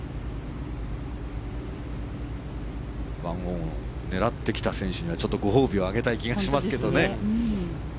１オンを狙ってきた選手にはちょっとご褒美をあげたい気がしますけどね。